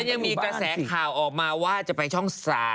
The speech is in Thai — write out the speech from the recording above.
ยังมีกระแสข่าวออกมาว่าจะไปช่อง๓